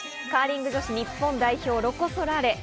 カーリング女子日本代表ロコ・ソラーレ。